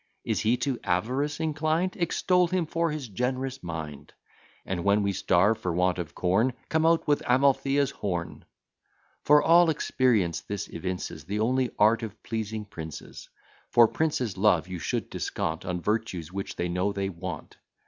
Is he to avarice inclined? Extol him for his generous mind: And, when we starve for want of corn, Come out with Amalthea's horn: For all experience this evinces The only art of pleasing princes: For princes' love you should descant On virtues which they know they want.